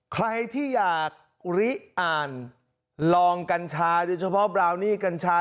ใครที่อยากริอ่านลองกัญชาโดยเฉพาะบราวนี่กัญชา